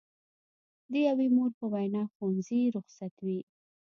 د یوې مور په وینا ښوونځي رخصت وي.